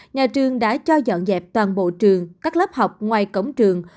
nhà trường đã cho dọn dẹp toàn bộ trường các lớp học ngoài cổng trường